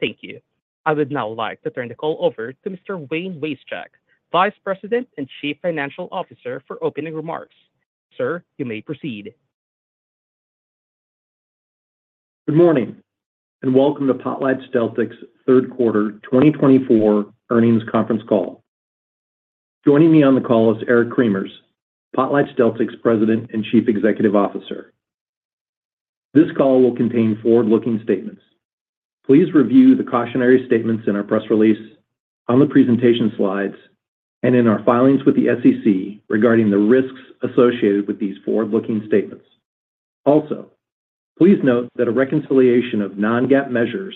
Thank you. I would now like to turn the call over to Mr. Wayne Wasechek, Vice President and Chief Financial Officer, for opening remarks. Sir, you may proceed. Good morning, and welcome to PotlatchDeltic's Third Quarter 2024 Earnings Conference Call. Joining me on the call is Eric Cremers, PotlatchDeltic's President and Chief Executive Officer. This call will contain forward-looking statements. Please review the cautionary statements in our press release, on the presentation slides, and in our filings with the SEC regarding the risks associated with these forward-looking statements. Also, please note that a reconciliation of non-GAAP measures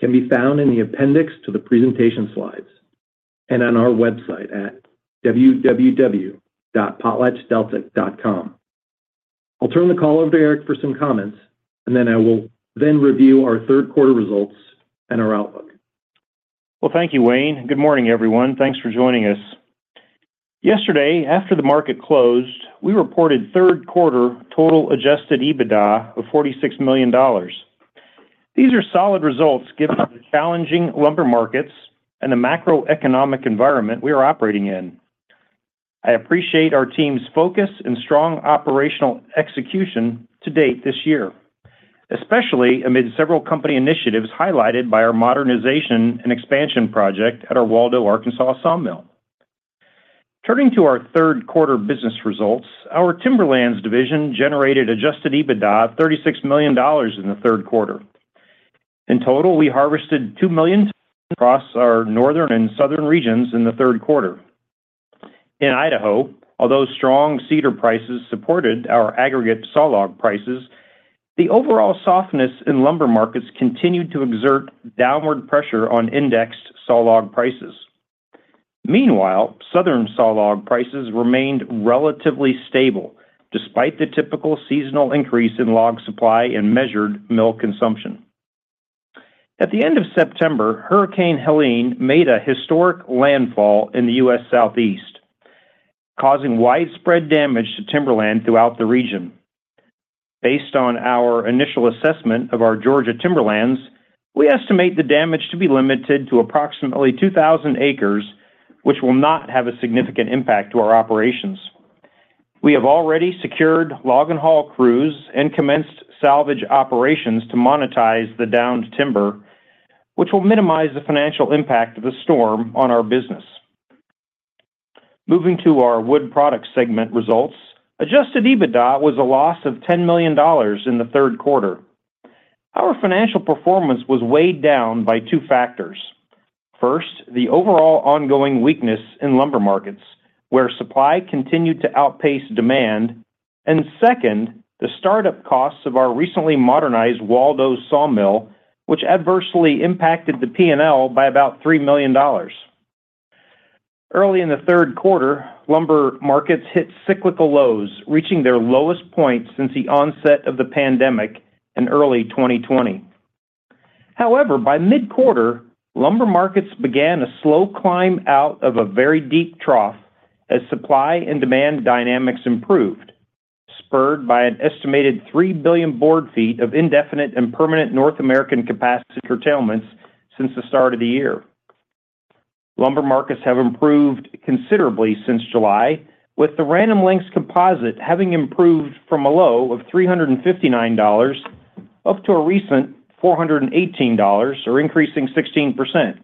can be found in the appendix to the presentation slides and on our website at www.potlatchdeltic.com. I'll turn the call over to Eric for some comments, and then I will review our third quarter results and our outlook. Thank you, Wayne. Good morning, everyone. Thanks for joining us. Yesterday, after the market closed, we reported third quarter total adjusted EBITDA of $46 million. These are solid results given the challenging lumber markets and the macroeconomic environment we are operating in. I appreciate our team's focus and strong operational execution to date this year, especially amid several company initiatives highlighted by our modernization and expansion project at our Waldo, Arkansas sawmill. Turning to our third quarter business results, our Timberlands division generated adjusted EBITDA of $36 million in the third quarter. In total, we harvested 2 million across our northern and southern regions in the third quarter. In Idaho, although strong cedar prices supported our aggregate sawlog prices, the overall softness in lumber markets continued to exert downward pressure on indexed sawlog prices. Meanwhile, southern sawlog prices remained relatively stable despite the typical seasonal increase in log supply and measured mill consumption. At the end of September, Hurricane Helene made a historic landfall in the U.S. Southeast, causing widespread damage to timberland throughout the region. Based on our initial assessment of our Georgia timberlands, we estimate the damage to be limited to approximately 2,000 acres, which will not have a significant impact on our operations. We have already secured log and haul crews and commenced salvage operations to monetize the downed timber, which will minimize the financial impact of the storm on our business. Moving to our Wood Products segment results, Adjusted EBITDA was a loss of $10 million in the third quarter. Our financial performance was weighed down by two factors. First, the overall ongoing weakness in lumber markets, where supply continued to outpace demand, and second, the startup costs of our recently modernized Waldo sawmill, which adversely impacted the P&L by about $3 million. Early in the third quarter, lumber markets hit cyclical lows, reaching their lowest point since the onset of the pandemic in early 2020. However, by mid-quarter, lumber markets began a slow climb out of a very deep trough as supply and demand dynamics improved, spurred by an estimated three billion board feet of indefinite and permanent North American capacity curtailments since the start of the year. Lumber markets have improved considerably since July, with the Random Lengths composite having improved from a low of $359 up to a recent $418, or increasing 16%.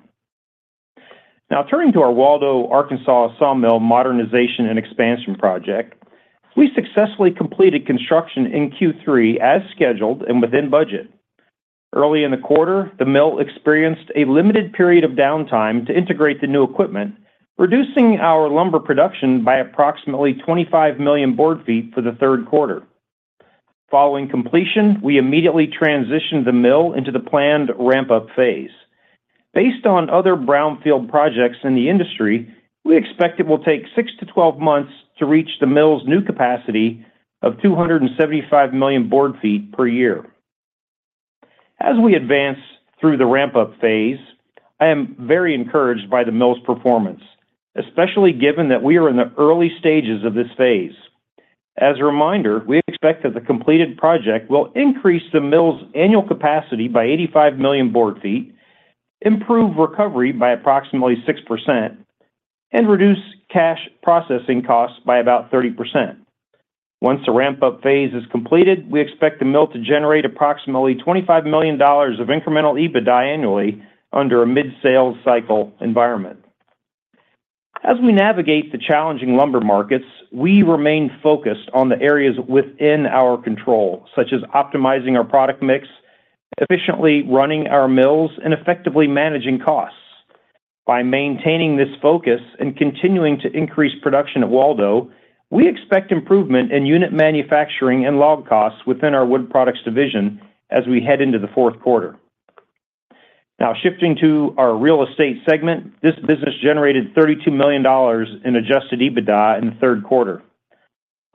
Now, turning to our Waldo, Arkansas sawmill modernization and expansion project, we successfully completed construction in Q3 as scheduled and within budget. Early in the quarter, the mill experienced a limited period of downtime to integrate the new equipment, reducing our lumber production by approximately 25 million board feet for the third quarter. Following completion, we immediately transitioned the mill into the planned ramp-up phase. Based on other brownfield projects in the industry, we expect it will take six to 12 months to reach the mill's new capacity of 275 million board ft per year. As we advance through the ramp-up phase, I am very encouraged by the mill's performance, especially given that we are in the early stages of this phase. As a reminder, we expect that the completed project will increase the mill's annual capacity by 85 million board feet, improve recovery by approximately 6%, and reduce cash processing costs by about 30%. Once the ramp-up phase is completed, we expect the mill to generate approximately $25 million of incremental EBITDA annually under a mid-sales cycle environment. As we navigate the challenging lumber markets, we remain focused on the areas within our control, such as optimizing our product mix, efficiently running our mills, and effectively managing costs. By maintaining this focus and continuing to increase production at Waldo, we expect improvement in unit manufacturing and log costs within our Wood Products division as we head into the fourth quarter. Now, shifting to our real estate segment, this business generated $32 million in adjusted EBITDA in the third quarter.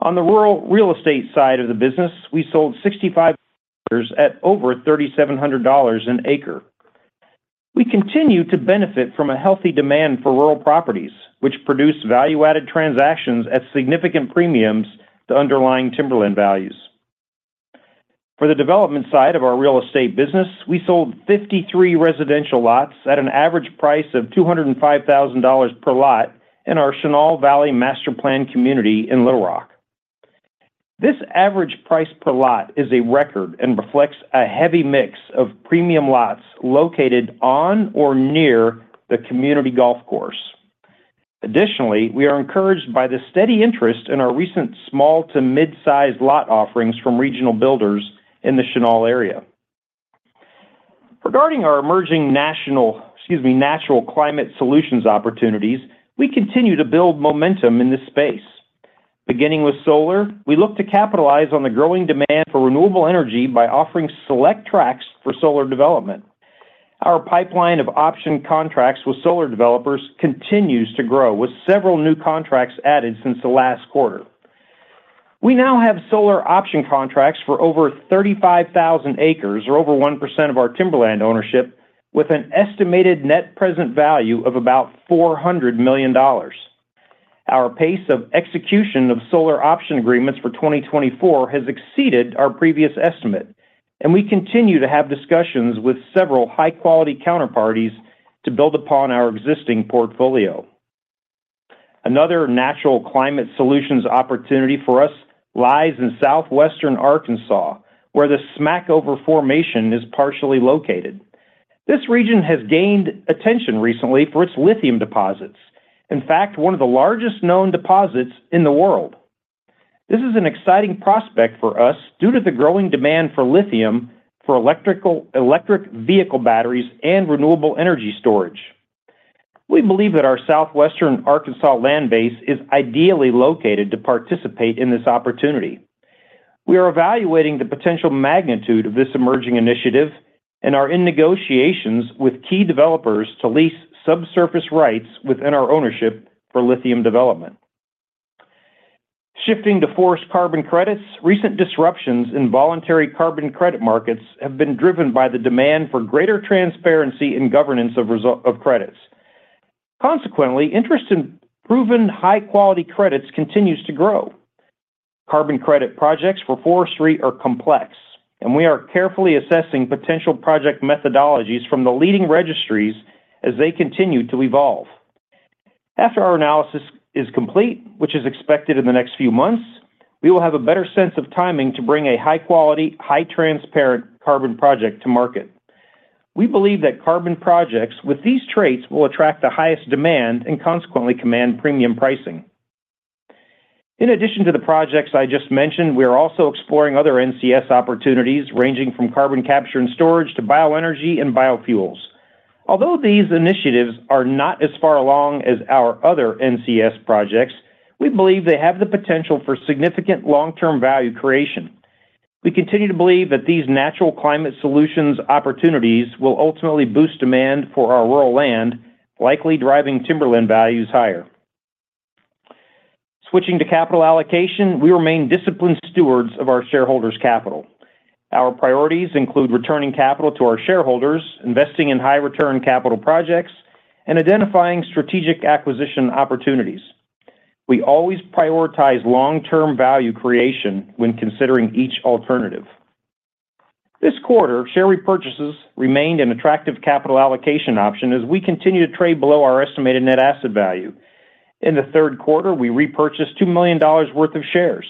On the rural real estate side of the business, we sold 65 acres at over $3,700 an acre. We continue to benefit from a healthy demand for rural properties, which produce value-added transactions at significant premiums to underlying timberland values. For the development side of our real estate business, we sold 53 residential lots at an average price of $205,000 per lot in our Chenal Valley Master Planned Community in Little Rock. This average price per lot is a record and reflects a heavy mix of premium lots located on or near the community golf course. Additionally, we are encouraged by the steady interest in our recent small to mid-sized lot offerings from regional builders in the Chenal area. Regarding our emerging natural climate solutions opportunities, we continue to build momentum in this space. Beginning with solar, we look to capitalize on the growing demand for renewable energy by offering select tracts for solar development. Our pipeline of option contracts with solar developers continues to grow, with several new contracts added since the last quarter. We now have solar option contracts for over 35,000 acres, or over 1% of our timberland ownership, with an estimated net present value of about $400 million. Our pace of execution of solar option agreements for 2024 has exceeded our previous estimate, and we continue to have discussions with several high-quality counterparties to build upon our existing portfolio. Another natural climate solutions opportunity for us lies in southwestern Arkansas, where the Smackover Formation is partially located. This region has gained attention recently for its lithium deposits, in fact, one of the largest known deposits in the world. This is an exciting prospect for us due to the growing demand for lithium for electric vehicle batteries and renewable energy storage. We believe that our Southwestern Arkansas land base is ideally located to participate in this opportunity. We are evaluating the potential magnitude of this emerging initiative and are in negotiations with key developers to lease subsurface rights within our ownership for lithium development. Shifting to forest carbon credits, recent disruptions in voluntary carbon credit markets have been driven by the demand for greater transparency in governance of credits. Consequently, interest in proven high-quality credits continues to grow. Carbon credit projects for forestry are complex, and we are carefully assessing potential project methodologies from the leading registries as they continue to evolve. After our analysis is complete, which is expected in the next few months, we will have a better sense of timing to bring a high-quality, high-transparent carbon project to market. We believe that carbon projects with these traits will attract the highest demand and consequently command premium pricing. In addition to the projects I just mentioned, we are also exploring other NCS opportunities ranging from carbon capture and storage to bioenergy and biofuels. Although these initiatives are not as far along as our other NCS projects, we believe they have the potential for significant long-term value creation. We continue to believe that these natural climate solutions opportunities will ultimately boost demand for our rural land, likely driving timberland values higher. Switching to capital allocation, we remain disciplined stewards of our shareholders' capital. Our priorities include returning capital to our shareholders, investing in high-return capital projects, and identifying strategic acquisition opportunities. We always prioritize long-term value creation when considering each alternative. This quarter, share repurchases remained an attractive capital allocation option as we continue to trade below our estimated net asset value. In the third quarter, we repurchased $2 million worth of shares.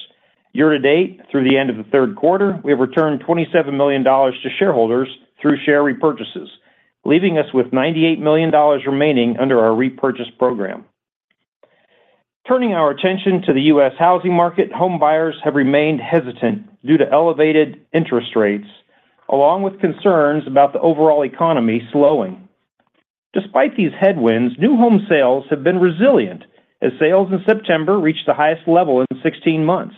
Year to date, through the end of the third quarter, we have returned $27 million to shareholders through share repurchases, leaving us with $98 million remaining under our repurchase program. Turning our attention to the U.S. housing market, home buyers have remained hesitant due to elevated interest rates, along with concerns about the overall economy slowing. Despite these headwinds, new home sales have been resilient as sales in September reached the highest level in 16 months.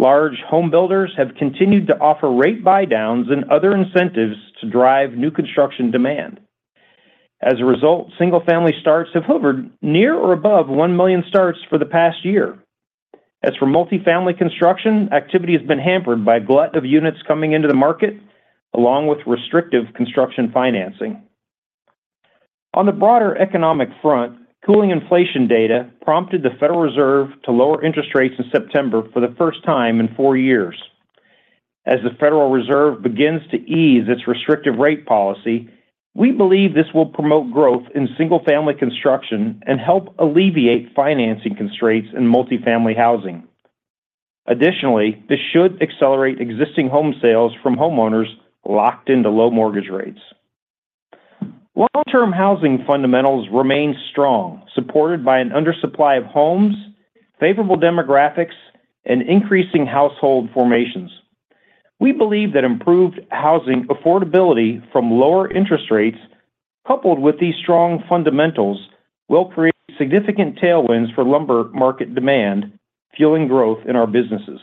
Large home builders have continued to offer rate buy-downs and other incentives to drive new construction demand. As a result, single-family starts have hovered near or above 1 million starts for the past year. As for multi-family construction, activity has been hampered by a glut of units coming into the market, along with restrictive construction financing. On the broader economic front, cooling inflation data prompted the Federal Reserve to lower interest rates in September for the first time in four years. As the Federal Reserve begins to ease its restrictive rate policy, we believe this will promote growth in single-family construction and help alleviate financing constraints in multi-family housing. Additionally, this should accelerate existing home sales from homeowners locked into low mortgage rates. Long-term housing fundamentals remain strong, supported by an undersupply of homes, favorable demographics, and increasing household formations. We believe that improved housing affordability from lower interest rates, coupled with these strong fundamentals, will create significant tailwinds for lumber market demand, fueling growth in our businesses.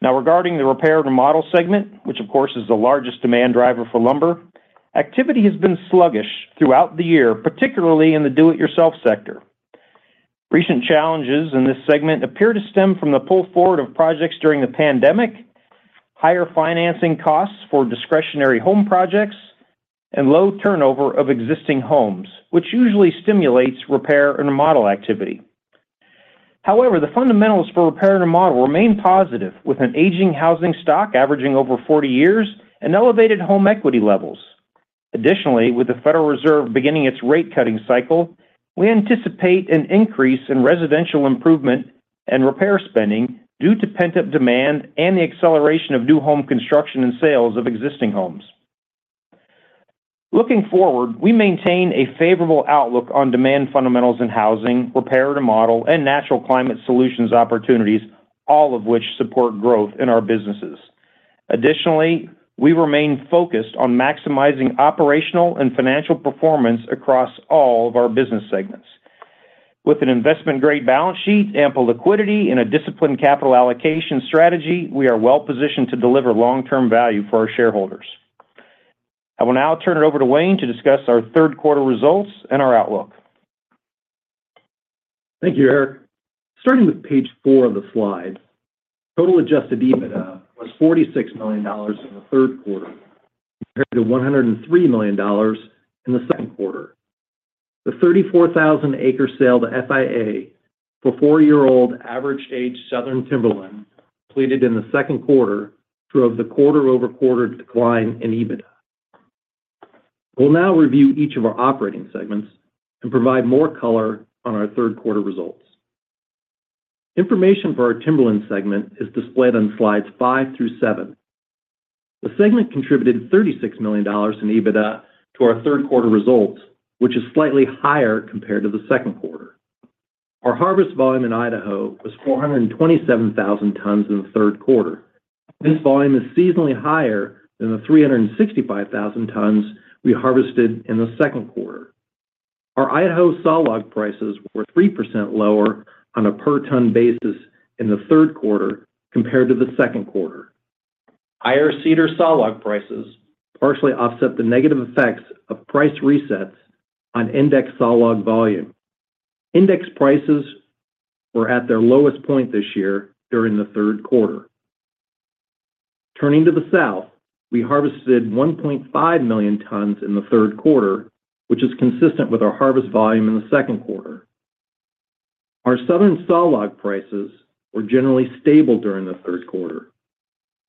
Now, regarding the repair and remodel segment, which, of course, is the largest demand driver for lumber, activity has been sluggish throughout the year, particularly in the do-it-yourself sector. Recent challenges in this segment appear to stem from the pull forward of projects during the pandemic, higher financing costs for discretionary home projects, and low turnover of existing homes, which usually stimulates repair and remodel activity. However, the fundamentals for repair and remodel remain positive, with an aging housing stock averaging over 40 years and elevated home equity levels. Additionally, with the Federal Reserve beginning its rate-cutting cycle, we anticipate an increase in residential improvement and repair spending due to pent-up demand and the acceleration of new home construction and sales of existing homes. Looking forward, we maintain a favorable outlook on demand fundamentals in housing, repair and remodel, and natural climate solutions opportunities, all of which support growth in our businesses. Additionally, we remain focused on maximizing operational and financial performance across all of our business segments. With an investment-grade balance sheet, ample liquidity, and a disciplined capital allocation strategy, we are well-positioned to deliver long-term value for our shareholders. I will now turn it over to Wayne to discuss our third quarter results and our outlook. Thank you, Eric. Starting with page four of the slide, total adjusted EBITDA was $46 million in the third quarter compared to $103 million in the second quarter. The 34,000-acre sale to FIA for four-year-old average-aged southern timberland completed in the second quarter drove the quarter-over-quarter decline in EBITDA. We'll now review each of our operating segments and provide more color on our third quarter results. Information for our timberland segment is displayed on slides five through seven. The segment contributed $36 million in EBITDA to our third quarter results, which is slightly higher compared to the second quarter. Our harvest volume in Idaho was 427,000 tons in the third quarter. This volume is seasonally higher than the 365,000 tons we harvested in the second quarter. Our Idaho sawlog prices were 3% lower on a per-ton basis in the third quarter compared to the second quarter. Higher cedar sawlog prices partially offset the negative effects of price resets on index sawlog volume. Index prices were at their lowest point this year during the third quarter. Turning to the South, we harvested 1.5 million tons in the third quarter, which is consistent with our harvest volume in the second quarter. Our Southern sawlog prices were generally stable during the third quarter.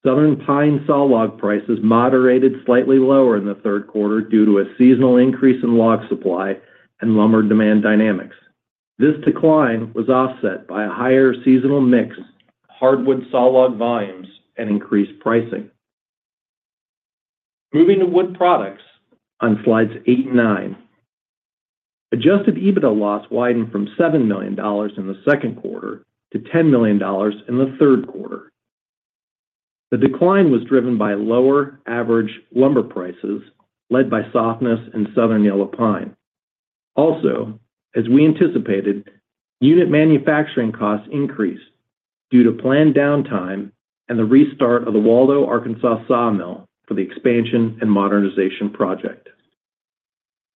Southern pine sawlog prices moderated slightly lower in the third quarter due to a seasonal increase in log supply and lumber demand dynamics. This decline was offset by a higher seasonal mix, hardwood sawlog volumes, and increased pricing. Moving to Wood Products on slides eight and nine, adjusted EBITDA loss widened from $7 million in the second quarter to $10 million in the third quarter. The decline was driven by lower average lumber prices led by softness in Southern Yellow Pine. Also, as we anticipated, unit manufacturing costs increased due to planned downtime and the restart of the Waldo, Arkansas sawmill for the expansion and modernization project.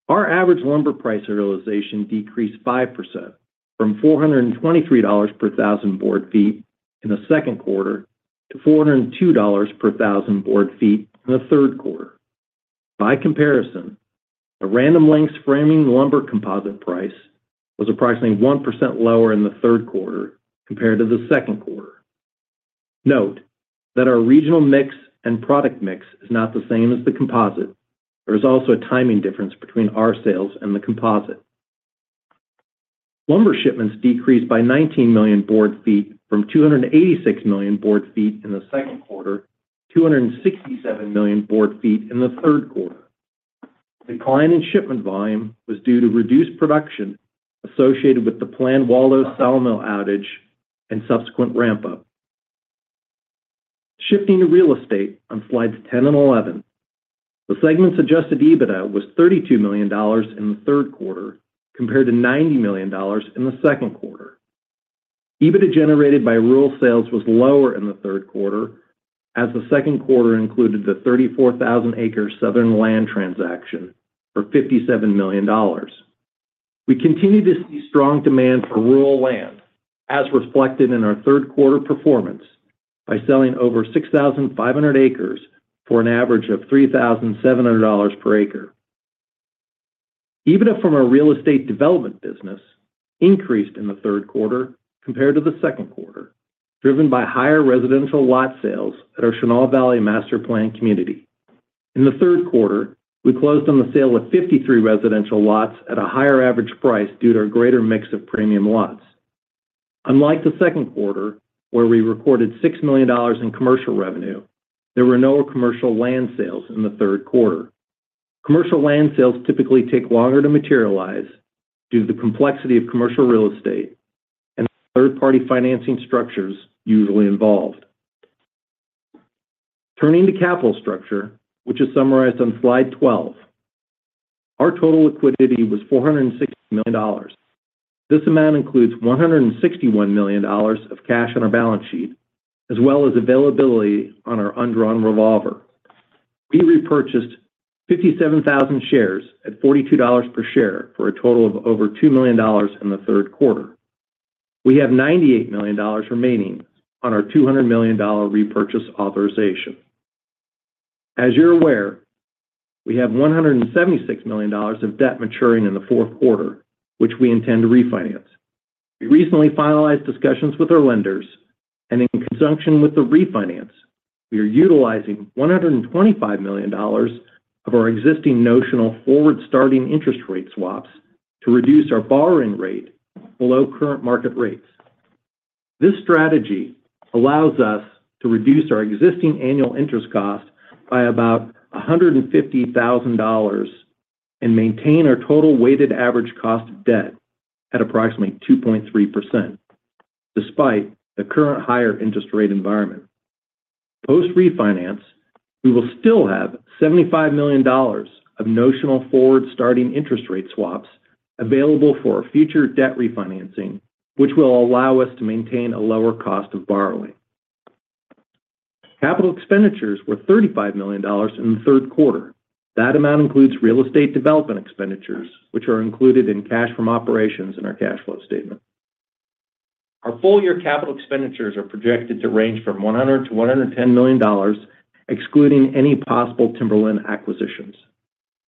Our average lumber price realization decreased 5% from $423 per thousand board feet in the second quarter to $402 per thousand board feet in the third quarter. By comparison, the Random Lengths Framing Lumber Composite price was approximately 1% lower in the third quarter compared to the second quarter. Note that our regional mix and product mix is not the same as the composite. There is also a timing difference between our sales and the composite. Lumber shipments decreased by 19 million board ft from 286 million board feet in the second quarter to 267 million board ft in the third quarter. Decline in shipment volume was due to reduced production associated with the planned Waldo sawmill outage and subsequent ramp-up. Shifting to real estate on slides 10 and 11, the segment's adjusted EBITDA was $32 million in the third quarter compared to $90 million in the second quarter. EBITDA generated by rural sales was lower in the third quarter, as the second quarter included the 34,000-acre southern land transaction for $57 million. We continue to see strong demand for rural land, as reflected in our third quarter performance by selling over 6,500 acres for an average of $3,700 per acre. EBITDA from a real estate development business increased in the third quarter compared to the second quarter, driven by higher residential lot sales at our Chenal Valley Master Plan Community. In the third quarter, we closed on the sale of 53 residential lots at a higher average price due to our greater mix of premium lots. Unlike the second quarter, where we recorded $6 million in commercial revenue, there were no commercial land sales in the third quarter. Commercial land sales typically take longer to materialize due to the complexity of commercial real estate and third-party financing structures usually involved. Turning to capital structure, which is summarized on slide 12, our total liquidity was $460 million. This amount includes $161 million of cash on our balance sheet, as well as availability on our undrawn revolver. We repurchased 57,000 shares at $42 per share for a total of over $2 million in the third quarter. We have $98 million remaining on our $200 million repurchase authorization. As you're aware, we have $176 million of debt maturing in the fourth quarter, which we intend to refinance. We recently finalized discussions with our lenders, and in conjunction with the refinance, we are utilizing $125 million of our existing notional forward-starting interest rate swaps to reduce our borrowing rate below current market rates. This strategy allows us to reduce our existing annual interest cost by about $150,000 and maintain our total weighted average cost of debt at approximately 2.3%, despite the current higher interest rate environment. Post-refinance, we will still have $75 million of notional forward-starting interest rate swaps available for future debt refinancing, which will allow us to maintain a lower cost of borrowing. Capital expenditures were $35 million in the third quarter. That amount includes real estate development expenditures, which are included in cash from operations in our cash flow statement. Our full-year capital expenditures are projected to range from $100 million-$110 million, excluding any possible timberland acquisitions.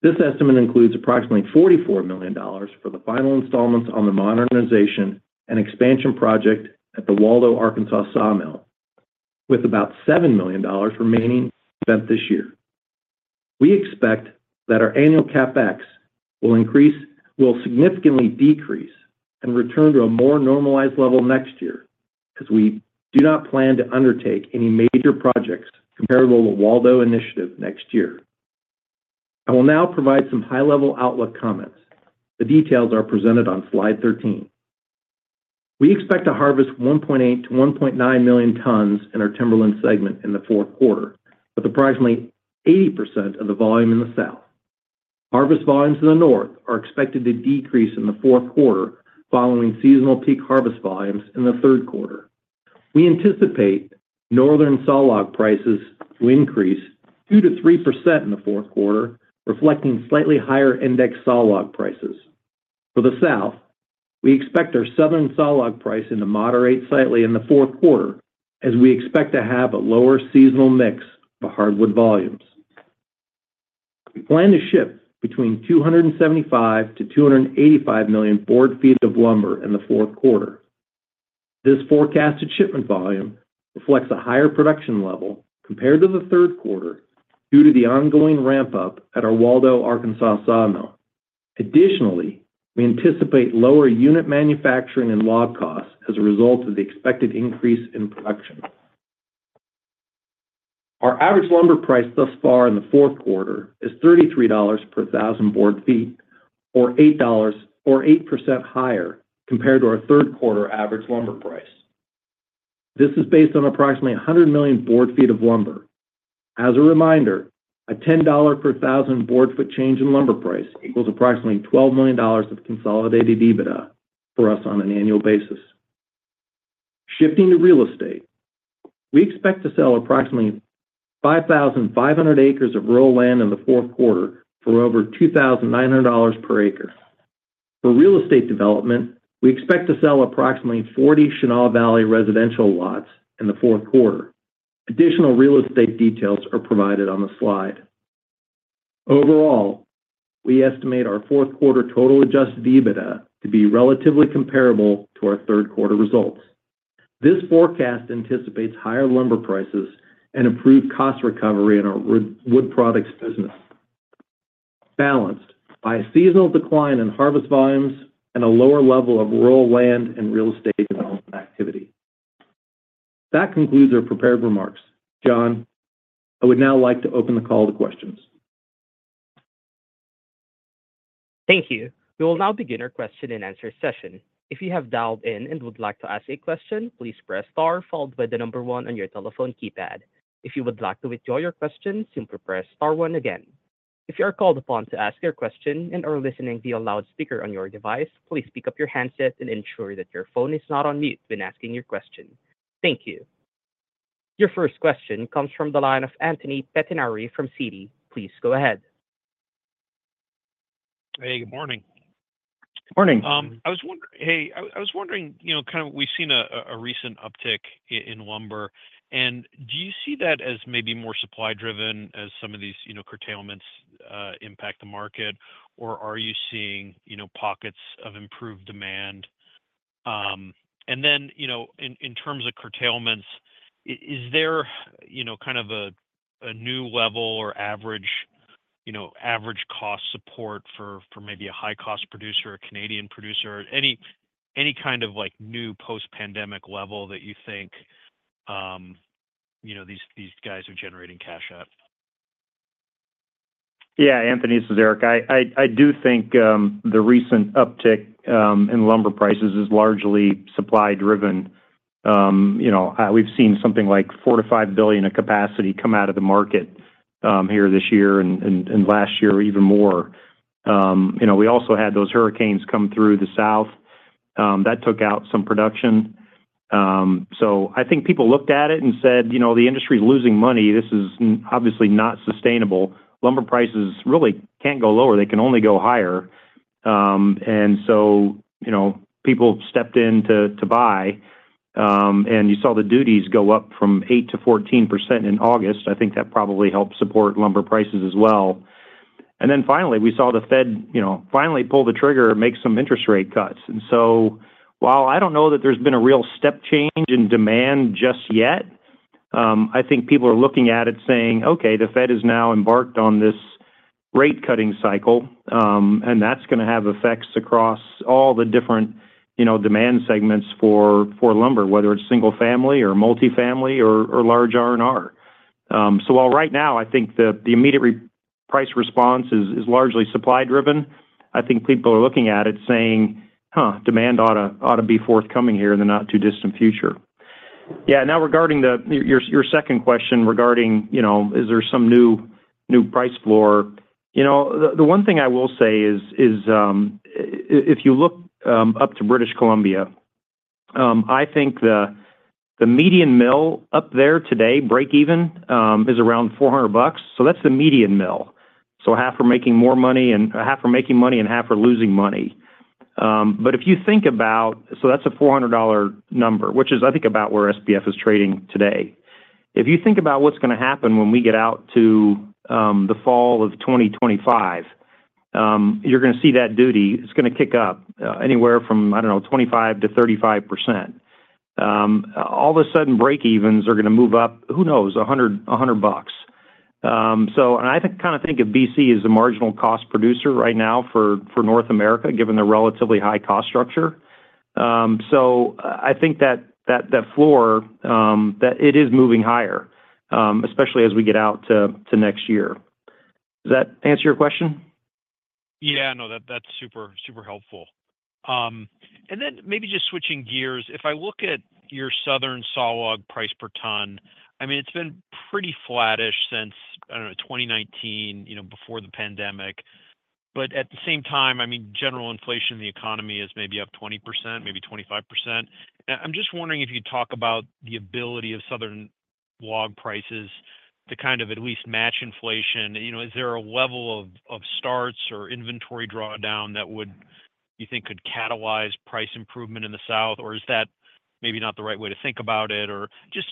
This estimate includes approximately $44 million for the final installments on the modernization and expansion project at the Waldo, Arkansas sawmill, with about $7 million remaining spent this year. We expect that our annual CapEx will significantly decrease and return to a more normalized level next year, as we do not plan to undertake any major projects comparable to the Waldo initiative next year. I will now provide some high-level outlook comments. The details are presented on slide 13. We expect to harvest 1.8 million-1.9 million tons in our timberland segment in the fourth quarter, with approximately 80% of the volume in the south. Harvest volumes in the north are expected to decrease in the fourth quarter following seasonal peak harvest volumes in the third quarter. We anticipate northern saw log prices to increase 2%-3% in the fourth quarter, reflecting slightly higher index saw log prices. For the south, we expect our southern saw log price to moderate slightly in the fourth quarter, as we expect to have a lower seasonal mix of hardwood volumes. We plan to ship between 275 million to 285 million board ft of lumber in the fourth quarter. This forecasted shipment volume reflects a higher production level compared to the third quarter due to the ongoing ramp-up at our Waldo, Arkansas sawmill. Additionally, we anticipate lower unit manufacturing and log costs as a result of the expected increase in production. Our average lumber price thus far in the fourth quarter is $33 per thousand board feet, or $8 or 8% higher compared to our third quarter average lumber price. This is based on approximately 100 million board ft of lumber. As a reminder, a $10 per thousand board foot change in lumber price equals approximately $12 million of consolidated EBITDA for us on an annual basis. Shifting to real estate, we expect to sell approximately 5,500 acres of rural land in the fourth quarter for over $2,900 per acre. For real estate development, we expect to sell approximately 40 Chenal Valley residential lots in the fourth quarter. Additional real estate details are provided on the slide. Overall, we estimate our fourth quarter total adjusted EBITDA to be relatively comparable to our third quarter results. This forecast anticipates higher lumber prices and improved cost recovery in our Wood Products business, balanced by seasonal decline in harvest volumes and a lower level of rural land and real estate development activity. That concludes our prepared remarks. John, I would now like to open the call to questions. Thank you. We will now begin our question-and-answer session. If you have dialed in and would like to ask a question, please press star followed by the number one on your telephone keypad. If you would like to withdraw your question, simply press star one again. If you are called upon to ask your question and are listening via loudspeaker on your device, please pick up your handset and ensure that your phone is not on mute when asking your question. Thank you. Your first question comes from the line of Anthony Pettinari from Citi. Please go ahead. Hey, good morning. Morning. I was wondering, you know, kind of we've seen a recent uptick in lumber, and do you see that as maybe more supply-driven as some of these, you know, curtailments impact the market, or are you seeing, you know, pockets of improved demand? Then, you know, in terms of curtailments, is there, you know, kind of a new level or average, you know, average cost support for maybe a high-cost producer, a Canadian producer, any kind of like new post-pandemic level that you think, you know, these guys are generating cash at? Yeah, Anthony, this is Eric. I do think the recent uptick in lumber prices is largely supply-driven. You know, we've seen something like 4 billion-5 billion of capacity come out of the market here this year and last year even more. You know, we also had those hurricanes come through the south. That took out some production. So, I think people looked at it and said, you know, the industry is losing money. This is obviously not sustainable. Lumber prices really can't go lower. They can only go higher. And so, you know, people stepped in to buy, and you saw the duties go up from 8% to 14% in August. I think that probably helped support lumber prices as well. And then finally, we saw the Fed, you know, finally pull the trigger, make some interest rate cuts. And so while I don't know that there's been a real step change in demand just yet, I think people are looking at it saying, okay, the Fed has now embarked on this rate-cutting cycle, and that's going to have effects across all the different, you know, demand segments for lumber, whether it's single-family or multi-family or large R&R. So while right now I think the immediate price response is largely supply-driven, I think people are looking at it saying, huh, demand ought to be forthcoming here in the not-too-distant future. Yeah, now regarding your second question regarding, you know, is there some new price floor? You know, the one thing I will say is if you look up to British Columbia, I think the median mill up there today, breakeven, is around $400. So that's the median mill. So half are making more money and half are making money and half are losing money. But if you think about, so that's a $400 number, which is I think about where SPF is trading today. If you think about what's going to happen when we get out to the fall of 2025, you're going to see that duty, it's going to kick up anywhere from, I don't know, 25%-35%. All of a sudden, breakevens are going to move up, who knows, $100. So I kind of think of BC as a marginal cost producer right now for North America, given the relatively high cost structure. So I think that floor, that it is moving higher, especially as we get out to next year. Does that answer your question? Yeah, no, that's super, super helpful. And then maybe just switching gears, if I look at your southern sawlog price per ton, I mean, it's been pretty flattish since, I don't know, 2019, you know, before the pandemic. But at the same time, I mean, general inflation in the economy is maybe up 20%, maybe 25%. I'm just wondering if you'd talk about the ability of southern log prices to kind of at least match inflation. You know, is there a level of starts or inventory drawdown that would, you know, could catalyze price improvement in the South, or is that maybe not the right way to think about it, or just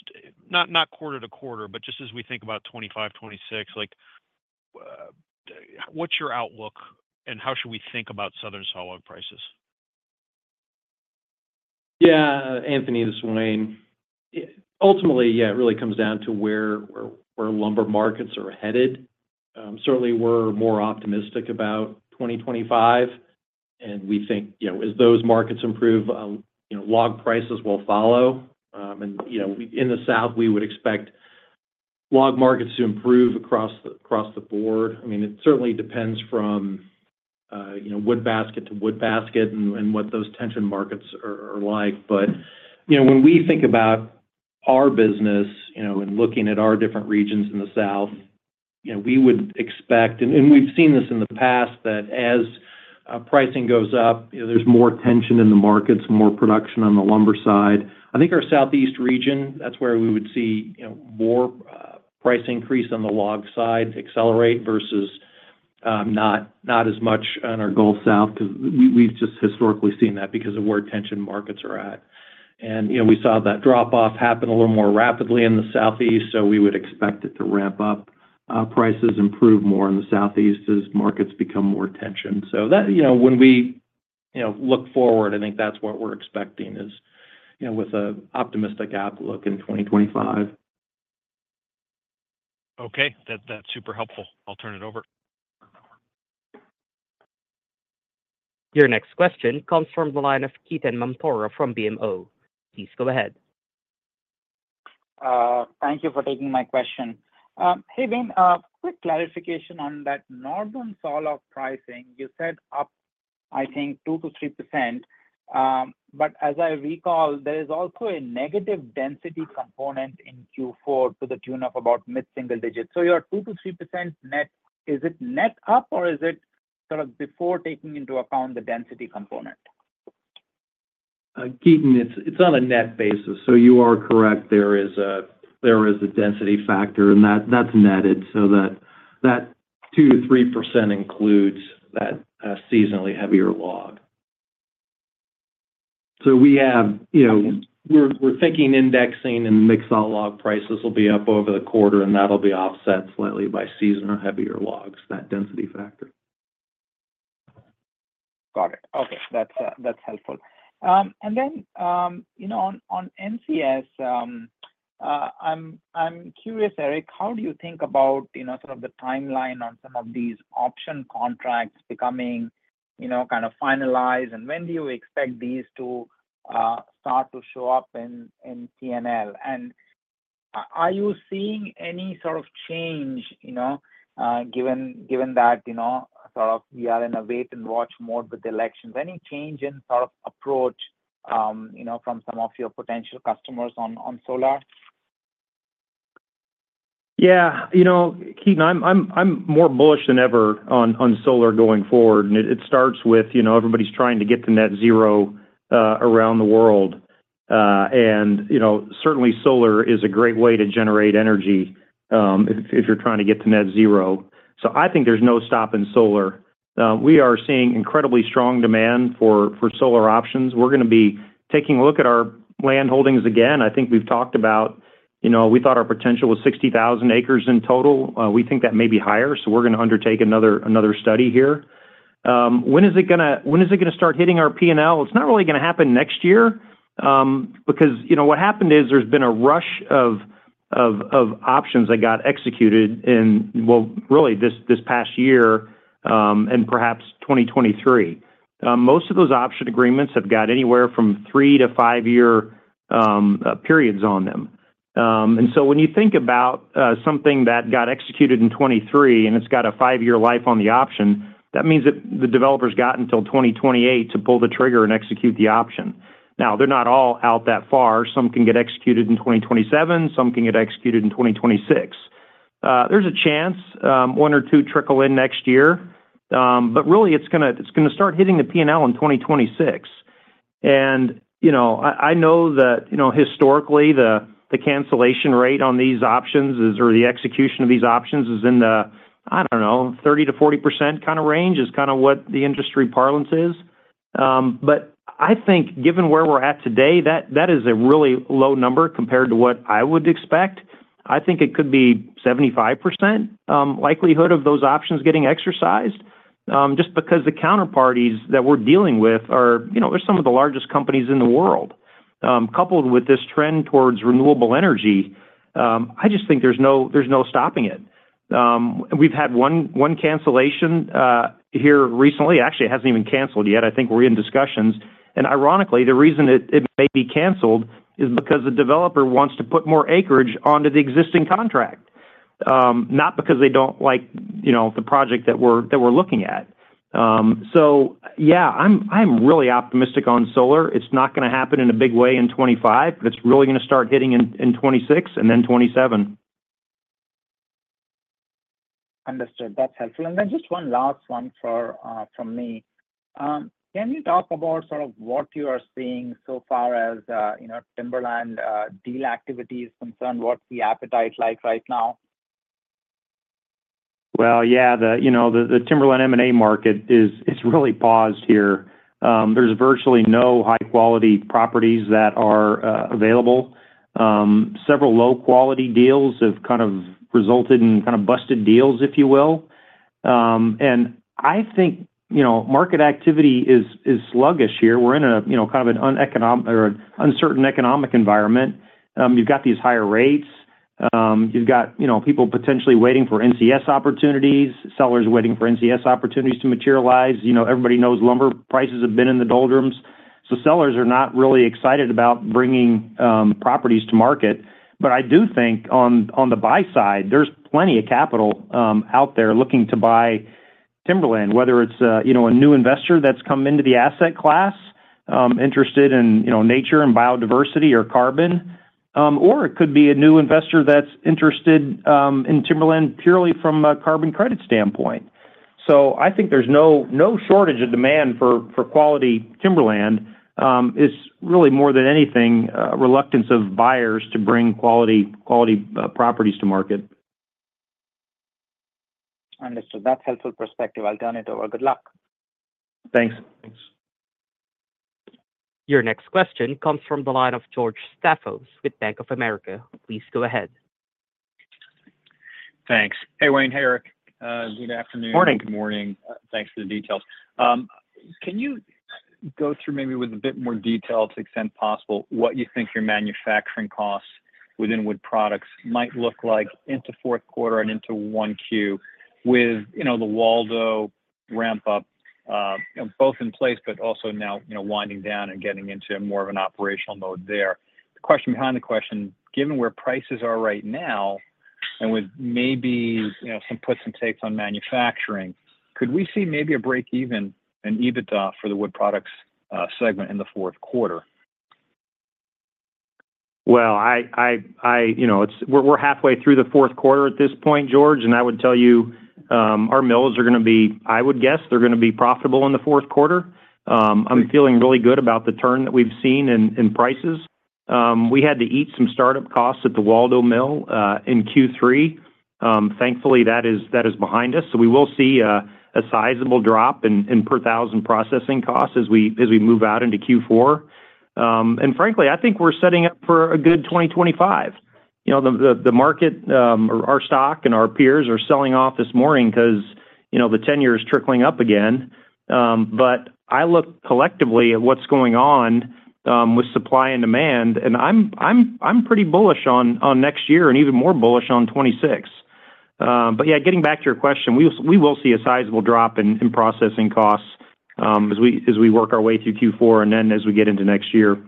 not quarter to quarter, but just as we think about 2025, 2026, like what's your outlook and how should we think about Southern sawlog prices? Yeah, Anthony, this is Wayne. Ultimately, yeah, it really comes down to where lumber markets are headed. Certainly, we're more optimistic about 2025, and we think, you know, as those markets improve, you know, log prices will follow. And you know, in the South, we would expect log markets to improve across the board. I mean, it certainly depends from, you know, wood basket to wood basket and what those timber markets are like. But, you know, when we think about our business, you know, and looking at our different regions in the south, you know, we would expect, and we've seen this in the past, that as pricing goes up, you know, there's more tension in the markets, more production on the lumber side. I think our southeast region, that's where we would see, you know, more price increase on the log side accelerate versus not as much on our Gulf South, because we've just historically seen that because of where tension markets are at. And, you know, we saw that drop-off happen a little more rapidly in the southeast, so we would expect it to ramp up. Prices improve more in the southeast as markets become more tension. So that, you know, when we, you know, look forward, I think that's what we're expecting is, you know, with an optimistic outlook in 2025. Okay, that's super helpful. I'll turn it over. Your next question comes from the line of Ketan Mamtora from BMO. Please go ahead. Thank you for taking my question. Hey, Wayne, quick clarification on that northern sawlog pricing. You said up, I think, 2%-3%, but as I recall, there is also a negative density component in Q4 to the tune of about mid-single digits. So your 2%-3% net, is it net up or is it sort of before taking into account the density component? Ketan, it's on a net basis. So you are correct. There is a density factor, and that's netted. So that 2%-3% includes that seasonally heavier log. So we have, you know, we're thinking indexing and mixed saw log prices will be up over the quarter, and that'll be offset slightly by seasonal heavier logs, that density factor. Got it. Okay, that's helpful. And then, you know, on NCS, I'm curious, Eric, how do you think about, you know, sort of the timeline on some of these option contracts becoming, you know, kind of finalized, and when do you expect these to start to show up in P&L? And are you seeing any sort of change, you know, given that, you know, sort of we are in a wait-and-watch mode with the elections? Any change in sort of approach, you know, from some of your potential customers on solar? Yeah, you know, Ketan, I'm more bullish than ever on solar going forward. It starts with, you know, everybody's trying to get to net zero around the world. Certainly, you know, solar is a great way to generate energy if you're trying to get to net zero. I think there's no stop in solar. We are seeing incredibly strong demand for solar options. We're going to be taking a look at our land holdings again. I think we've talked about, you know, we thought our potential was 60,000 acres in total. We think that may be higher. We're going to undertake another study here. When is it going to start hitting our P&L? It's not really going to happen next year, because, you know, what happened is there's been a rush of options that got executed in, well, really this past year and perhaps 2023. Most of those option agreements have got anywhere from three- to five-year periods on them. And so when you think about something that got executed in 2023 and it's got a five-year life on the option, that means that the developer's got until 2028 to pull the trigger and execute the option. Now, they're not all out that far. Some can get executed in 2027. Some can get executed in 2026. There's a chance one or two trickle in next year, but really it's going to start hitting the P&L in 2026. And, you know, I know that, you know, historically the cancellation rate on these options or the execution of these options is in the, I don't know, 30%-40% kind of range is kind of what the industry parlance is. But I think given where we're at today, that is a really low number compared to what I would expect. I think it could be 75% likelihood of those options getting exercised just because the counterparties that we're dealing with are, you know, there's some of the largest companies in the world. Coupled with this trend towards renewable energy, I just think there's no stopping it. We've had one cancellation here recently. Actually, it hasn't even canceled yet. I think we're in discussions. And ironically, the reason it may be canceled is because the developer wants to put more acreage onto the existing contract, not because they don't like, you know, the project that we're looking at. So yeah, I'm really optimistic on solar. It's not going to happen in a big way in 2025, but it's really going to start hitting in 2026 and then 2027. Understood. That's helpful. And then just one last one from me. Can you talk about sort of what you are seeing so far as, you know, timberland deal activity is concerned? What's the appetite like right now? Well, yeah, the, you know, the timberland M&A market is really paused here. There's virtually no high-quality properties that are available. Several low-quality deals have kind of resulted in kind of busted deals, if you will. And I think, you know, market activity is sluggish here. We're in a, you know, kind of an uncertain economic environment. You've got these higher rates. You've got, you know, people potentially waiting for NCS opportunities, sellers waiting for NCS opportunities to materialize. You know, everybody knows lumber prices have been in the doldrums. So sellers are not really excited about bringing properties to market. But I do think on the buy side, there's plenty of capital out there looking to buy timberland, whether it's, you know, a new investor that's come into the asset class, interested in, you know, nature and biodiversity or carbon, or it could be a new investor that's interested in timberland purely from a carbon credit standpoint. So I think there's no shortage of demand for quality timberland. It's really more than anything a reluctance of buyers to bring quality properties to market. Understood. That's helpful perspective. I'll turn it over. Good luck. Thanks. Thanks. Your next question comes from the line of George Staphos with Bank of America. Please go ahead. Thanks. Hey, Wayne. Hey, Eric. Good afternoon. Morning. Good morning. Thanks for the details. Can you go through maybe with a bit more detail to the extent possible what you think your manufacturing costs within Wood Products might look like into fourth quarter and into 1Q with, you know, the Waldo ramp-up, you know, both in place, but also now, you know, winding down and getting into more of an operational mode there? The question behind the question, given where prices are right now and with maybe, you know, some puts and takes on manufacturing, could we see maybe a break even in EBITDA for the Wood Products segment in the fourth quarter? Well, I, you know, we're halfway through the fourth quarter at this point, George, and I would tell you our mills are going to be, I would guess they're going to be profitable in the fourth quarter. I'm feeling really good about the turn that we've seen in prices. We had to eat some startup costs at the Waldo mill in Q3. Thankfully, that is behind us, so we will see a sizable drop in per thousand processing costs as we move out into Q4, and frankly, I think we're setting up for a good 2025. You know, the market, our stock and our peers are selling off this morning because, you know, the ten-year is trickling up again, but I look collectively at what's going on with supply and demand, and I'm pretty bullish on next year and even more bullish on 2026. But yeah, getting back to your question, we will see a sizable drop in processing costs as we work our way through Q4 and then as we get into next year.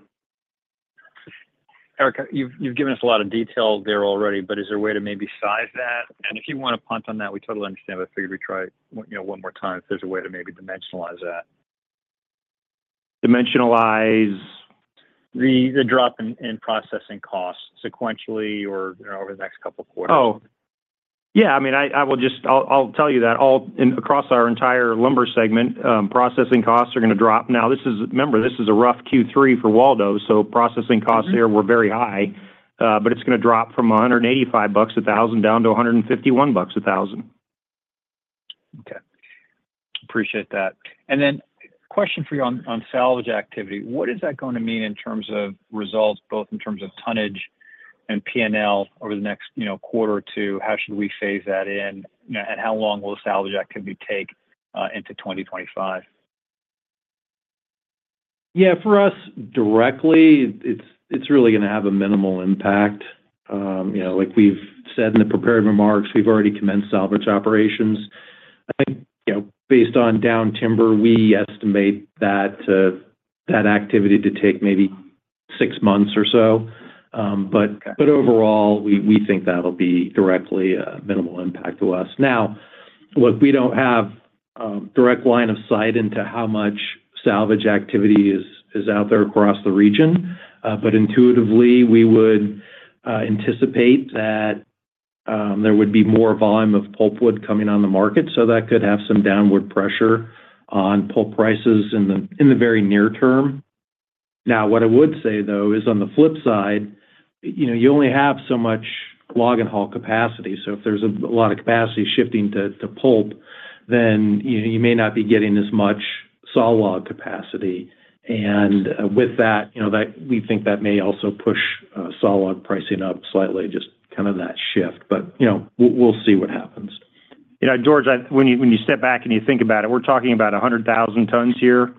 Eric, you've given us a lot of detail there already, but is there a way to maybe size that? If you want to punt on that, we totally understand, but I figured we'd try it one more time if there's a way to maybe dimensionalize that. Dimensionalize? The drop in processing costs sequentially or over the next couple of quarters. Oh, yeah. I mean, I will just, I'll tell you that across our entire lumber segment, processing costs are going to drop. Now, remember, this is a rough Q3 for Waldo, so processing costs here were very high, but it's going to drop from $185 a thousand down to $151 a thousand. Okay. Appreciate that. Then question for you on salvage activity. What is that going to mean in terms of results, both in terms of tonnage and P&L over the next, you know, quarter or two? How should we phase that in? You know, and how long will salvage activity take into 2025? Yeah, for us directly, it's really going to have a minimal impact. You know, like we've said in the prepared remarks, we've already commenced salvage operations. I think, you know, based on down timber, we estimate that activity to take maybe six months or so. But overall, we think that'll be directly a minimal impact to us. Now, look, we don't have a direct line of sight into how much salvage activity is out there across the region, but intuitively, we would anticipate that there would be more volume of pulpwood coming on the market. So that could have some downward pressure on pulp prices in the very near term. Now, what I would say, though, is on the flip side, you know, you only have so much log and haul capacity. So if there's a lot of capacity shifting to pulp, then you may not be getting as much saw log capacity. And with that, you know, we think that may also push saw log pricing up slightly, just kind of that shift. But, you know, we'll see what happens. You know, George, when you step back and you think about it, we're talking about 100,000 tons here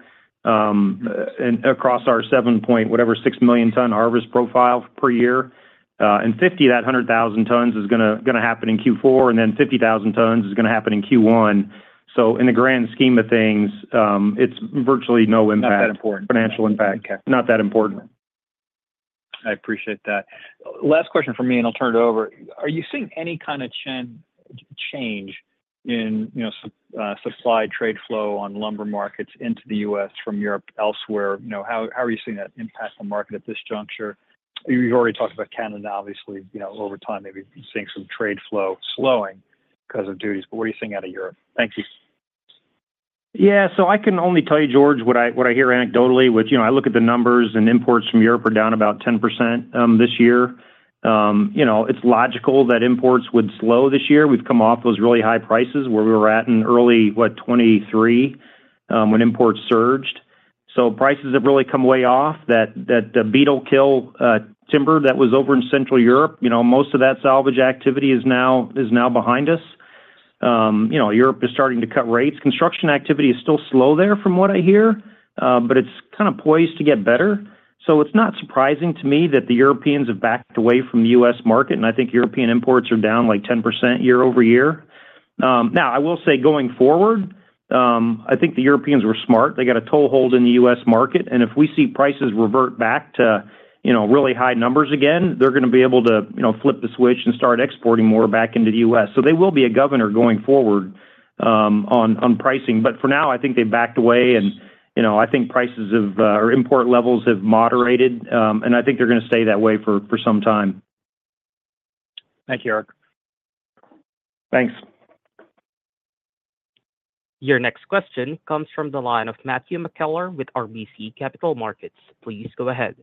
across our seven-point, whatever, six million-ton harvest profile per year. And 50 of that 100,000 tons is going to happen in Q4, and then 50,000 tons is going to happen in Q1. So in the grand scheme of things, it's virtually no impact. Not that important? Financial impact. Not that important. I appreciate that. Last question for me, and I'll turn it over. Are you seeing any kind of change in, you know, supply trade flow on lumber markets into the U.S. from Europe elsewhere? You know, how are you seeing that impact on the market at this juncture? You've already talked about Canada, obviously. You know, over time, maybe seeing some trade flow slowing because of duties. But what are you seeing out of Europe? Thank you. Yeah. So I can only tell you, George, what I hear anecdotally, which, you know, I look at the numbers and imports from Europe are down about 10% this year. You know, it's logical that imports would slow this year. We've come off those really high prices where we were at in early, what, 2023 when imports surged. So prices have really come way off that. The beetle kill timber that was over in Central Europe, you know, most of that salvage activity is now behind us. You know, Europe is starting to cut rates. Construction activity is still slow there from what I hear, but it's kind of poised to get better. So it's not surprising to me that the Europeans have backed away from the U.S. market. And I think European imports are down like 10% year-over-year. Now, I will say going forward, I think the Europeans were smart. They got a toehold in the U.S. market. And if we see prices revert back to, you know, really high numbers again, they're going to be able to, you know, flip the switch and start exporting more back into the U.S. So they will be a governor going forward on pricing. But for now, I think they backed away. And, you know, I think prices or import levels have moderated. And I think they're going to stay that way for some time. Thank you, Eric. Thanks. Your next question comes from the line of Matthew McKellar with RBC Capital Markets. Please go ahead.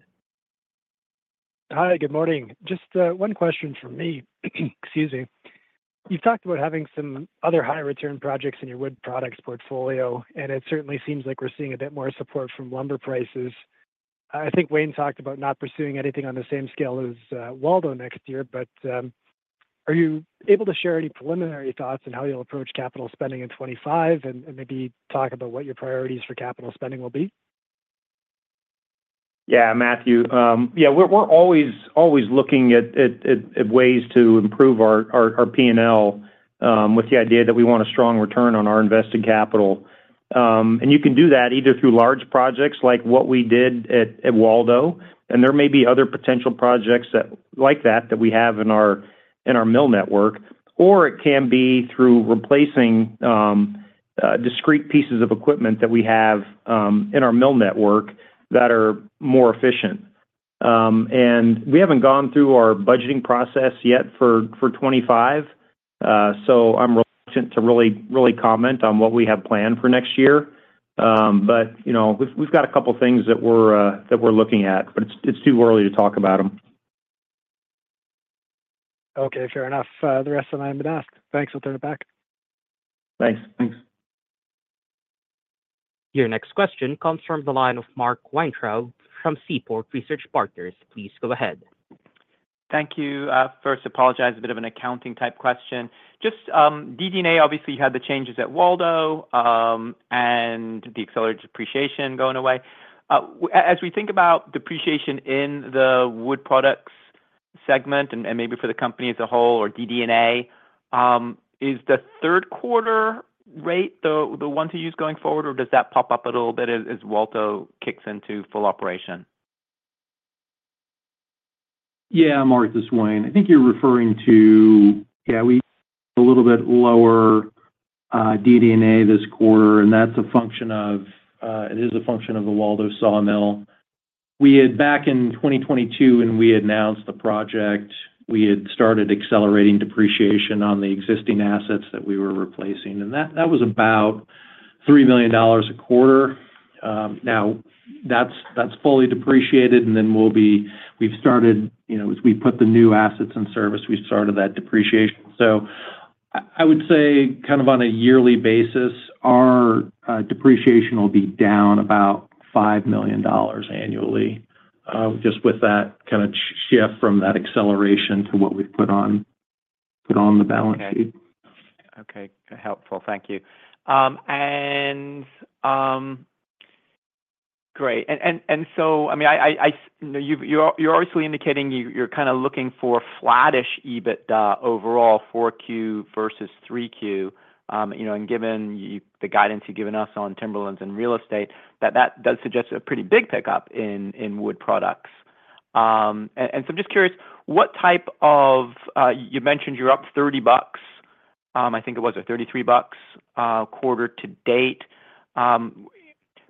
Hi, good morning. Just one question for me. Excuse me. You've talked about having some other high-return projects in your Wood Products portfolio, and it certainly seems like we're seeing a bit more support from lumber prices. I think Wayne talked about not pursuing anything on the same scale as Waldo next year, but are you able to share any preliminary thoughts on how you'll approach capital spending in 2025 and maybe talk about what your priorities for capital spending will be? Yeah, Matthew. Yeah, we're always looking at ways to improve our P&L with the idea that we want a strong return on our invested capital. And you can do that either through large projects like what we did at Waldo, and there may be other potential projects like that that we have in our mill network, or it can be through replacing discrete pieces of equipment that we have in our mill network that are more efficient. We haven't gone through our budgeting process yet for 2025. So I'm reluctant to really comment on what we have planned for next year. But, you know, we've got a couple of things that we're looking at, but it's too early to talk about them. Okay. Fair enough. Has the rest of the line been asked? Thanks. I'll turn it back. Thanks. Thanks. Your next question comes from the line of Mark Weintraub from Seaport Research Partners. Please go ahead. Thank you. First, I apologize, a bit of an accounting type question. Just DD&A, obviously. You had the changes at Waldo and the accelerated depreciation going away. As we think about depreciation in the Wood Products segment and maybe for the company as a whole or DD&A, is the third quarter rate the one to use going forward, or does that pop up a little bit as Waldo kicks into full operation? Yeah, Mark, this is Wayne. And I think you're referring to, yeah, we had a little bit lower DD&A this quarter, and that's a function of the Waldo sawmill. We had back in 2022, when we announced the project, we had started accelerating depreciation on the existing assets that we were replacing. And that was about $3 million a quarter. Now, that's fully depreciated, and then we've started, you know, as we put the new assets in service, we've started that depreciation. So I would say kind of on a yearly basis, our depreciation will be down about $5 million annually just with that kind of shift from that acceleration to what we've put on the balance sheet. Okay. Helpful. Thank you. And great. And so, I mean, you're obviously indicating you're kind of looking for flattish EBITDA overall 4Q versus 3Q, you know, and given the guidance you've given us on timberlands and real estate, that that does suggest a pretty big pickup in Wood Products. And so I'm just curious, what type of, you mentioned you're up $30, I think it was, or $33 a quarter-to-date.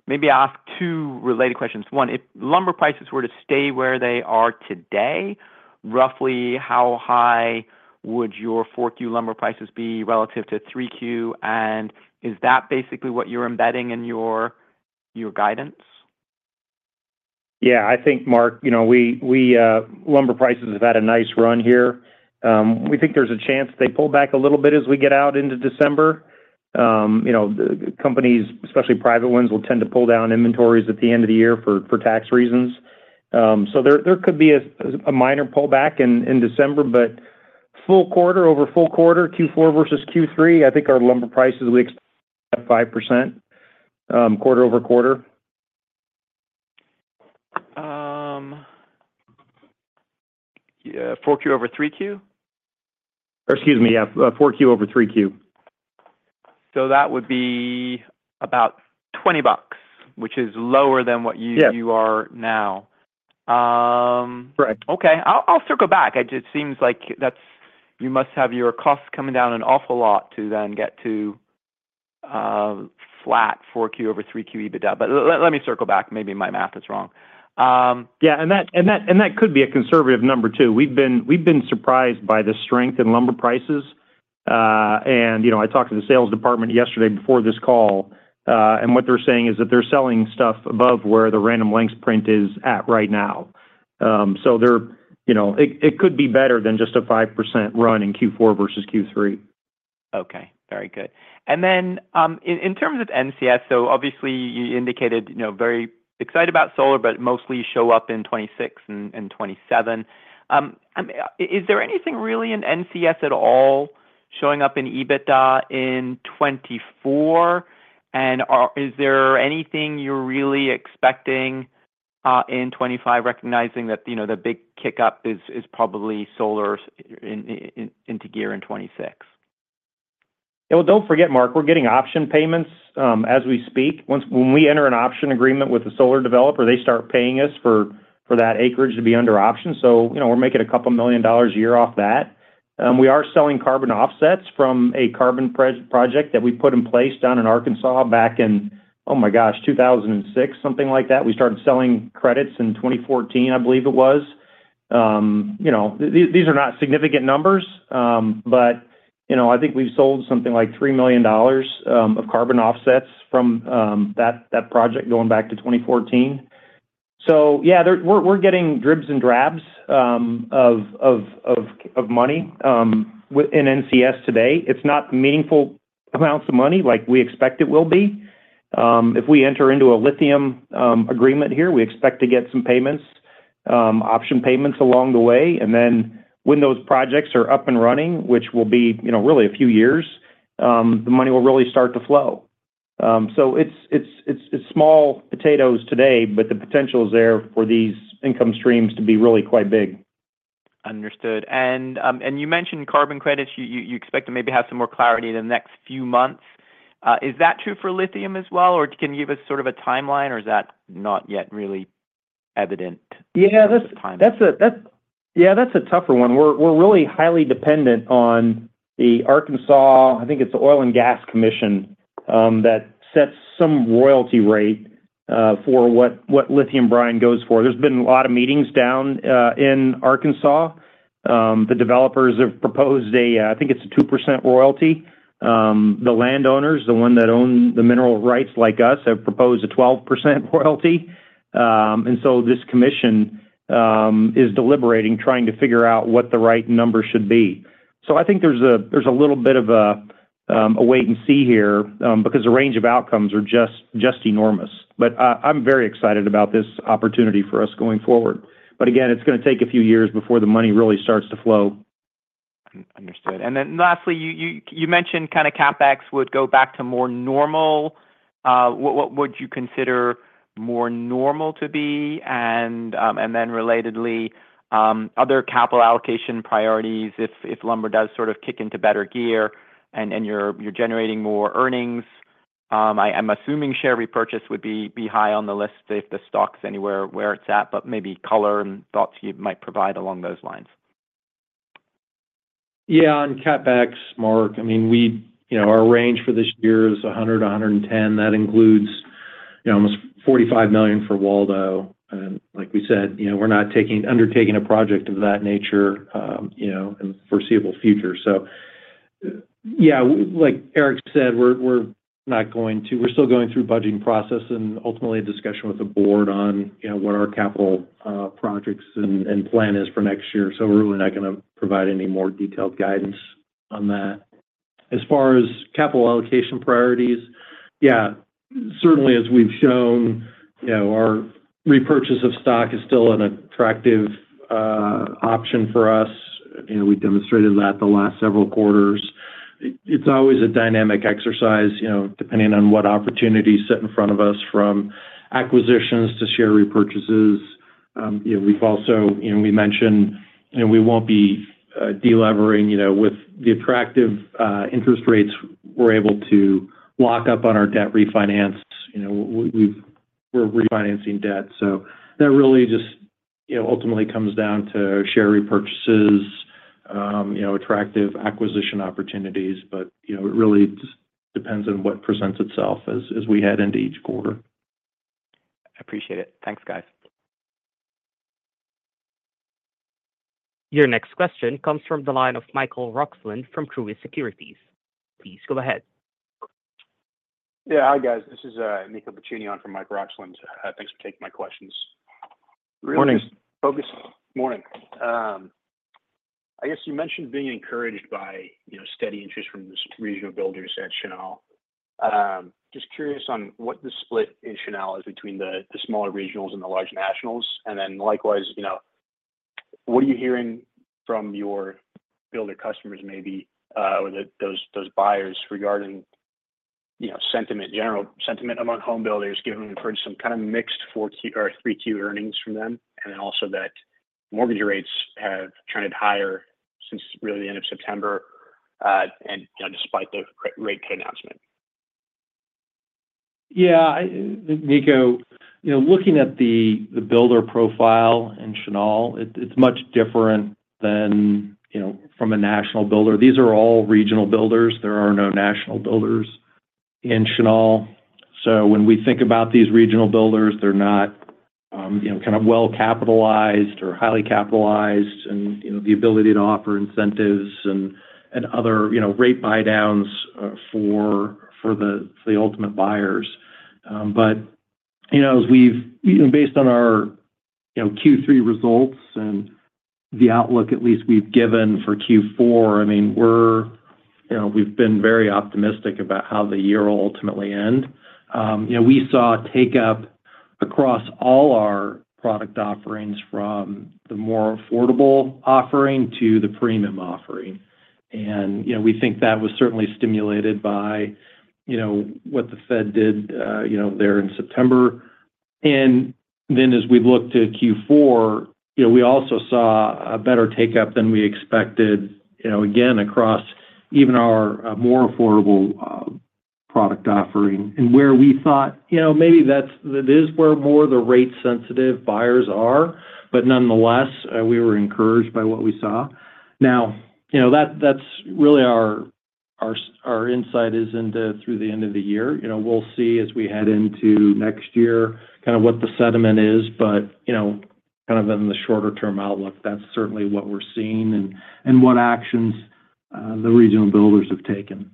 Maybe ask two related questions. One, if lumber prices were to stay where they are today, roughly how high would your 4Q lumber prices be relative to 3Q? And is that basically what you're embedding in your guidance? Yeah, I think, Mark, you know, well, lumber prices have had a nice run here. We think there's a chance they pull back a little bit as we get out into December. You know, companies, especially private ones, will tend to pull down inventories at the end of the year for tax reasons. So there could be a minor pullback in December, but full quarter over full quarter, Q4 versus Q3, I think our lumber prices would expect to be up 5% quarter-over-quarter. 4Q over 3Q? Or excuse me, yeah, 4Q over 3Q. So that would be about $20, which is lower than what you are now. Correct. Okay. I'll circle back. It seems like you must have your costs coming down an awful lot to then get to flat 4Q over 3Q EBITDA. But let me circle back. Maybe my math is wrong. Yeah. That could be a conservative number too. We've been surprised by the strength in lumber prices. And, you know, I talked to the sales department yesterday before this call, and what they're saying is that they're selling stuff above where the Random Lengths print is at right now. So they're, you know, it could be better than just a 5% run in Q4 versus Q3. Okay. Very good. And then in terms of NCS, so obviously you indicated, you know, very excited about solar, but mostly show up in 2026 and 2027. Is there anything really in NCS at all showing up in EBITDA in 2024? And is there anything you're really expecting in 2025, recognizing that, you know, the big kickup is probably solar into gear in 2026? Yeah. Well, don't forget, Mark, we're getting option payments as we speak. When we enter an option agreement with a solar developer, they start paying us for that acreage to be under option. So, you know, we're making a couple million dollars a year off that. We are selling carbon offsets from a carbon project that we put in place down in Arkansas back in, oh my gosh, 2006, something like that. We started selling credits in 2014, I believe it was. You know, these are not significant numbers, but, you know, I think we've sold something like $3 million of carbon offsets from that project going back to 2014. So, yeah, we're getting dribs and drabs of money in NCS today. It's not meaningful amounts of money like we expect it will be. If we enter into a lithium agreement here, we expect to get some payments, option payments along the way. And then when those projects are up and running, which will be, you know, really a few years, the money will really start to flow. So it's small potatoes today, but the potential is there for these income streams to be really quite big. Understood. And you mentioned carbon credits. You expect to maybe have some more clarity in the next few months. Is that true for lithium as well, or can you give us sort of a timeline, or is that not yet really evident? Yeah, that's a tougher one. We're really highly dependent on the Arkansas, I think it's the Oil and Gas Commission, that sets some royalty rate for what lithium brine goes for. There's been a lot of meetings down in Arkansas. The developers have proposed a, I think it's a 2% royalty. The landowners, the ones that own the mineral rights like us, have proposed a 12% royalty, and so this commission is deliberating, trying to figure out what the right number should be, so I think there's a little bit of a wait and see here because the range of outcomes are just enormous, but I'm very excited about this opportunity for us going forward, but again, it's going to take a few years before the money really starts to flow. Understood, and then lastly, you mentioned kind of CapEx would go back to more normal. What would you consider more normal to be, and then relatedly, other capital allocation priorities if lumber does sort of kick into better gear and you're generating more earnings. I'm assuming share repurchase would be high on the list if the stock's anywhere where it's at, but maybe color and thoughts you might provide along those lines. Yeah. On CapEx, Mark, I mean, our range for this year is $100 million-$110 million. That includes, you know, almost $45 million for Waldo. And like we said, you know, we're not undertaking a project of that nature, you know, in the foreseeable future. So, yeah, like Eric said, we're not going to, we're still going through a budgeting process and ultimately a discussion with the board on, you know, what our capital projects and plan is for next year. So we're really not going to provide any more detailed guidance on that. As far as capital allocation priorities, yeah, certainly as we've shown, you know, our repurchase of stock is still an attractive option for us. You know, we demonstrated that the last several quarters. It's always a dynamic exercise, you know, depending on what opportunities sit in front of us from acquisitions to share repurchases. You know, we've also, you know, we mentioned, you know, we won't be delevering, you know, with the attractive interest rates. We're able to lock up on our debt refinance. You know, we're refinancing debt. So that really just, you know, ultimately comes down to share repurchases, you know, attractive acquisition opportunities. But, you know, it really just depends on what presents itself as we head into each quarter. I appreciate it. Thanks, guys. Your next question comes from the line of Michael Roxland from Truist Securities. Please go ahead. Yeah. Hi, guys. This is Nico Piccini on for Michael Roxland. Thanks for taking my questions. Morning. Morning. I guess you mentioned being encouraged by, you know, steady interest from the regional builders at Chenal. Just curious on what the split in Chenal is between the smaller regionals and the large nationals. And then likewise, you know, what are you hearing from your builder customers, maybe those buyers regarding, you know, sentiment, general sentiment among home builders, given we've heard some kind of mixed 4Q or 3Q earnings from them, and then also that mortgage rates have trended higher since really the end of September, and, you know, despite the rate announcement? Yeah. Nico, you know, looking at the builder profile in Chenal, it's much different than, you know, from a national builder. These are all regional builders. There are no national builders in Chenal. So when we think about these regional builders, they're not, you know, kind of well capitalized or highly capitalized, and, you know, the ability to offer incentives and other, you know, rate buydowns for the ultimate buyers. But, you know, as we've, you know, based on our, you know, Q3 results and the outlook at least we've given for Q4, I mean, we're, you know, we've been very optimistic about how the year will ultimately end. You know, we saw take-up across all our product offerings from the more affordable offering to the premium offering. And, you know, we think that was certainly stimulated by, you know, what the Fed did, you know, there in September. And then as we looked at Q4, you know, we also saw a better take-up than we expected, you know, again, across even our more affordable product offering. And where we thought, you know, maybe that's it is where more of the rate-sensitive buyers are, but nonetheless, we were encouraged by what we saw. Now, you know, that's really our insight is into through the end of the year. You know, we'll see as we head into next year kind of what the sentiment is, but, you know, kind of in the shorter term outlook, that's certainly what we're seeing and what actions the regional builders have taken.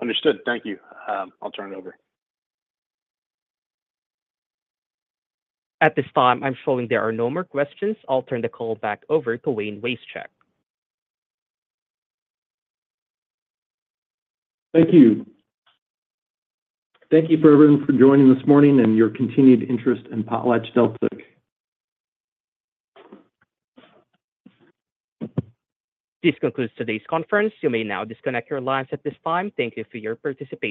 Understood. Thank you. I'll turn it over. At this time, I'm showing there are no more questions. I'll turn the call back over to Wayne Wasechek. Thank you. Thank you for everyone for joining this morning and your continued interest in PotlatchDeltic. This concludes today's conference. You may now disconnect your lines at this time. Thank you for your participation.